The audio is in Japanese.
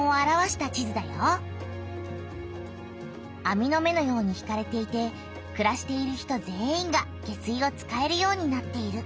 あみの目のように引かれていてくらしている人全員が下水を使えるようになっている。